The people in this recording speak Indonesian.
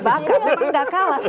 emang gak kalah